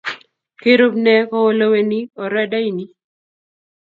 Kirub ne koleweni orodaini?